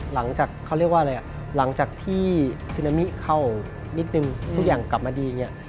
หลังจากที่ซีนามิเข้านิดนึงทุกอย่างกลับมาดี